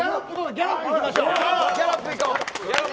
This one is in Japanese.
ギャロップいこう。